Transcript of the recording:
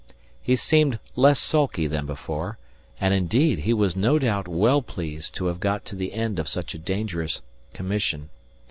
He seemed less sulky than before, and indeed he was no doubt well pleased to have got to the end of such a dangerous commission.